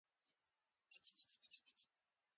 خټکی اوبه لري، خو ډېر خوږه ده.